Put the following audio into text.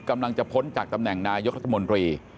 กำลังจะพ้นจากตำแหน่งนายกับรัฐมนตรี